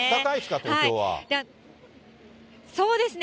どう、そうですね。